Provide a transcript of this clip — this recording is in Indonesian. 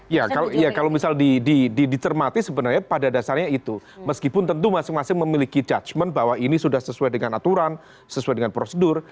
ya kalau misal dicermati sebenarnya pada dasarnya itu meskipun tentu masing masing memiliki judgement bahwa ini sudah sesuai dengan aturan sesuai dengan prosedur